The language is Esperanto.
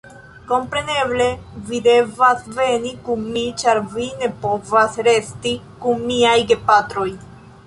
Kompreneble, vi devas veni kun mi, ĉar vi ne povas resti kun miaj gepatroj.